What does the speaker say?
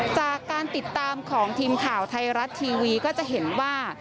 จากการติดตามของทีมข่าวไทยรัฐทีวีก็จะเห็นว่า